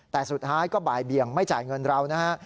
แต่สุดท้ายก็บ่ายเบียงไม่จ่ายเงินเรานะฮะ